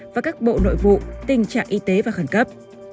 và các bộ nội vụ tình trạng y tế và khẩn cấp